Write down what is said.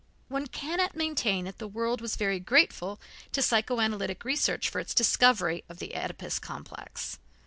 One cannot maintain that the world was very grateful to psychoanalytic research for its discovery of the Oedipus complex.